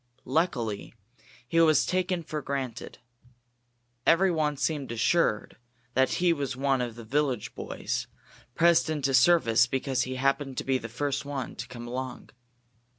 Luckily, he was taken for granted. Everyone seemed assured that he was one of the village boys, pressed into service because he happened to be the first one to come along.